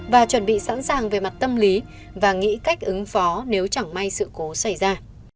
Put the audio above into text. và chuẩn bị sẵn sàng về mặt tâm lý và nghĩ cách ứng phó nếu chẳng may sự cố xảy ra